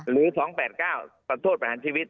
หรือ๒๘๙โทษประหารชีวิต